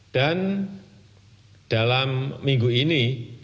dan dalam minggu ini